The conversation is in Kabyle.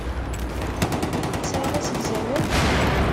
Tesɛiḍ asegzawal?